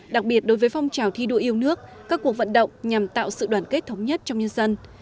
đặc biệt đối với phong trào thi đua yêu nước các cuộc vận động nhằm tạo sự đoàn kết thống nhất trong nhân dân